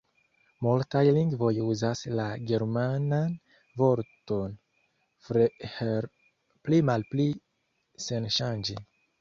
Multaj lingvoj uzas la germanan vorton "Freiherr" pli-malpli senŝanĝe.